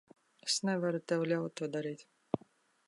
Es nevaru tev ļaut to darīt.